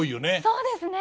そうですね。